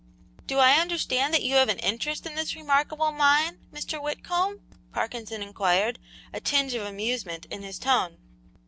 "Do I understand that you have an interest in this remarkable mine, Mr. Whitcomb?" Parkinson inquired, a tinge of amusement in his tone.